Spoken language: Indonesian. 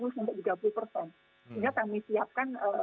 sehingga kami siapkan